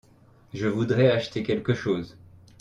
Je voudrais acheter quelque chose.